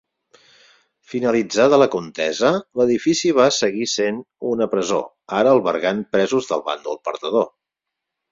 Finalitzada la contesa, l'edifici va seguir sent una presó, ara albergant presos del bàndol perdedor.